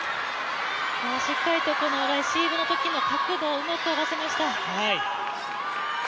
しっかりレシーブのときの角度をうまく合わせました。